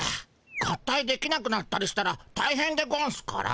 合体できなくなったりしたらたいへんでゴンスから。